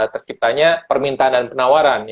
terciptanya permintaan dan penawaran